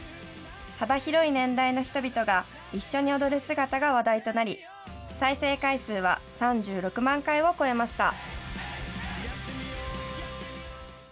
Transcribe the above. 幅広い年代の人々が一緒に踊る姿が話題となり、再生回数は３６万回を超えました。